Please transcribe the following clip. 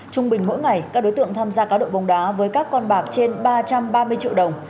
trung bình mỗi ngày các đối tượng tham gia cá độ bóng đá với các con bạc trên ba trăm ba mươi triệu đồng